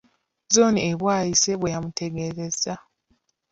Zooni e Bwaise bwe yamutegeezezza.